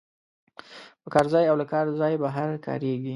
په کار ځای او له کار ځای بهر کاریږي.